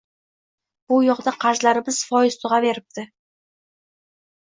Bu yoqda qarzlarimiz foyiz tugʻaveribdi